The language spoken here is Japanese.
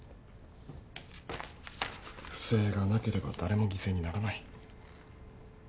不正がなければ誰も犠牲にならない。